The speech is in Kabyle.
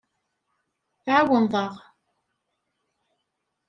Tɛawneḍ-aɣ.